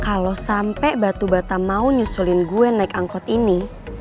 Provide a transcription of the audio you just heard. kalau sampai batu batam mau nyusulin gue naik angkot ini